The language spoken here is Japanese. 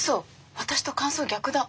私と感想逆だ。